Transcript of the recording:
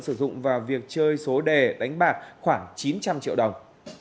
sử dụng vào việc chơi số đề đánh bạc khoảng chín trăm linh triệu đồng